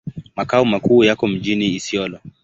Makao makuu yako mjini Isiolo.